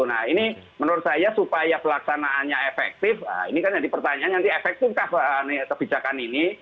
nah ini menurut saya supaya pelaksanaannya efektif ini kan jadi pertanyaan nanti efektifkah kebijakan ini